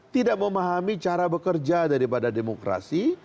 tidak memahami cara bekerja daripada demokrasi